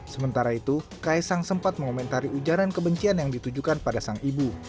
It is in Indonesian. sementara itu kaisang sempat mengomentari ujaran kebencian yang ditujukan pada sang ibu